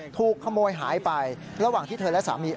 ถูกขโมยหายไประหว่างที่เธอและสามี